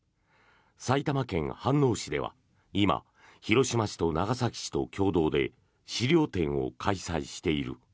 埼玉県飯能市では今広島市と長崎市と共同で資料展を開催している。